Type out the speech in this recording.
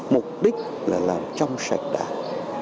mục đích là làm trong sạch đảng